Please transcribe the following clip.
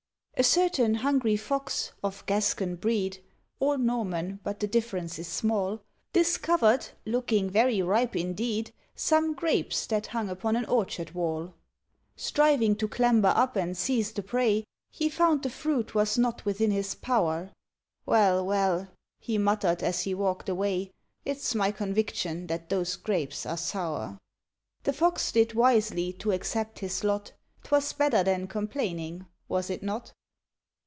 A Certain hungry Fox, of Gascon breed (Or Norman but the difference is small), Discovered, looking very ripe indeed, Some Grapes that hung upon an orchard wall. Striving to clamber up and seize the prey, He found the fruit was not within his power; "Well, well," he muttered, as he walked away, "It's my conviction that those Grapes are sour." The Fox did wisely to accept his lot; 'Twas better than complaining, was it not?